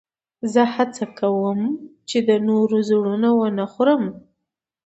زه هڅه کوم، چي د نورو زړونه و نه خورم.